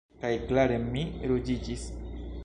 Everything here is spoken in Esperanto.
Kaj klare mi ruĝiĝis.